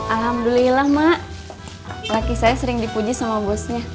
alhamdulillah mak laki saya sering dipuji sama bosnya